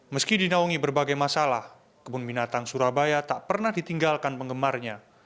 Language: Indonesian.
meski dinaungi berbagai masalah kebun binatang surabaya tak pernah ditinggalkan penggemarnya